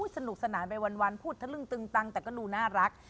สนุกสนานไปวันพูดทะลึ่งตึงตังแต่ก็ดูน่ารัก